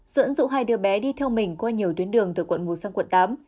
dẫn dụ hai đứa bé đi theo mình qua nhiều tuyến đường từ quận một sang quận tám